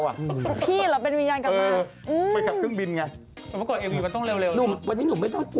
วันนี้วันนี้มีส่งอะไรไปให้พี่อุ๋ยนะคะ